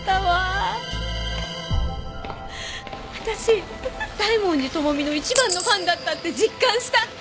私大文字智美の一番のファンだったって実感した！